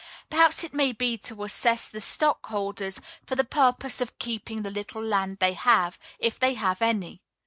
Perhaps it may be to assess the stockholders for the purpose of keeping the little land they have, if they have any.